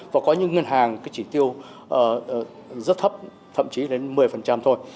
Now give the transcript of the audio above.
và có những ngân hàng cái chỉ tiêu rất thấp thậm chí đến một mươi thôi